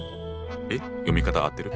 え読み方合ってる？